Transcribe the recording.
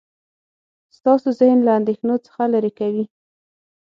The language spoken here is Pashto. ستاسو ذهن له اندیښنو څخه لرې کوي.